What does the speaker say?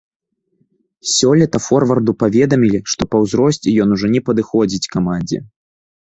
Сёлета форварду паведамілі, што па ўзросце ён ужо не падыходзіць камандзе.